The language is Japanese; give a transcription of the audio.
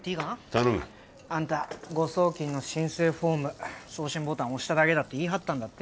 頼むあんた誤送金の申請フォーム送信ボタン押しただけだって言い張ったんだって？